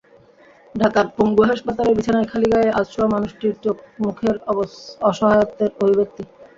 ঢাকার পঙ্গু হাসপাতালের বিছানায় খালি গায়ে আধশোয়া মানুষটির চোখমুখের অসহায়ত্বের অভিব্যক্তি।